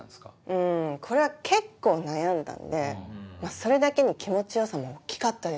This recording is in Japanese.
うんこれは結構悩んだんでそれだけに気持ち良さも大きかったですよ。